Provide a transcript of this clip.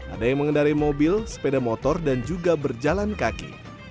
ada yang mengendarai mobil sepeda motor dan juga berjalan kaki